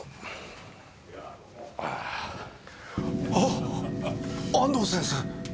あっ安藤先生！？